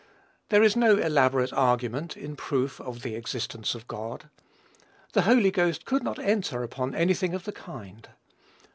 There is no elaborate argument in proof of the existence of God. The Holy Ghost could not enter upon any thing of the kind.